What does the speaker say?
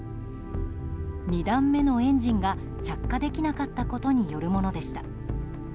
２段目のエンジンが着火できなかったことによるものでした。